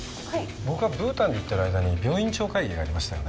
僕がブータンに行ってる間に病院長会議がありましたよね。